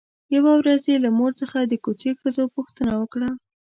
يوه ورځ يې له مور څخه د کوڅې ښځو پوښتنه وکړه.